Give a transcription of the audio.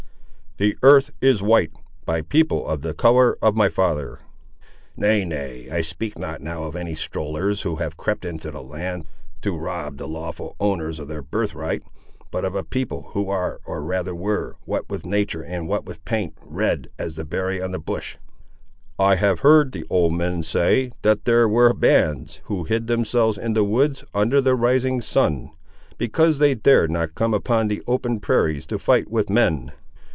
"The earth is white, by people of the colour of my father." "Nay, nay, I speak not now of any strollers, who have crept into the land to rob the lawful owners of their birth right, but of a people who are, or rather were, what with nature and what with paint, red as the berry on the bush." "I have heard the old men say, that there were bands, who hid themselves in the woods under the rising sun, because they dared not come upon the open prairies to fight with men."